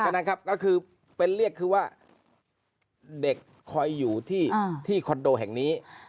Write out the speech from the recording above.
ฉะนั้นครับก็คือเป็นเรียกคือว่าเด็กคอยอยู่ที่คอนโดแห่งนี้